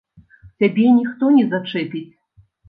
Цябе ніхто не зачэпіць.